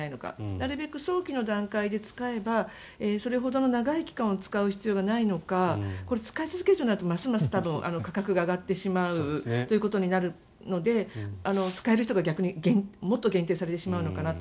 なるべく早期の段階で使えばそれほどの長い期間使う必要がないのか使い続けるなとなるとますます価格が上がってしまうということになるので使える人がもっと限定されてしまうのかなと。